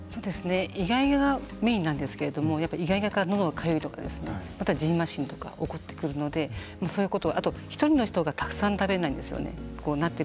いがいががメインなんですけどのどがかゆいとかじんましんとか起こってくるのであとは１人の人がたくさん食べないですよね。